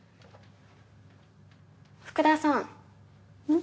福田さん。